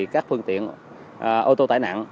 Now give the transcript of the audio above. các phương tiện ô tô tải nặng